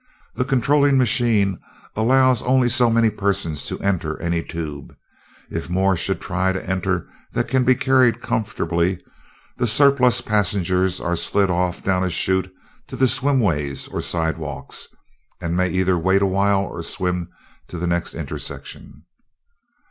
The controlling machines allow only so many persons to enter any tube if more should try to enter than can be carried comfortably, the surplus passengers are slid off down a chute to the swim ways, or sidewalks, and may either wait a while or swim to the next intersection."